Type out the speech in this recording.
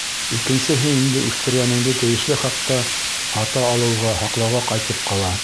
Икенсеһе инде үҫтергәнеңде тейешле хаҡҡа һата алыуға, һаҡлауға ҡайтып ҡала.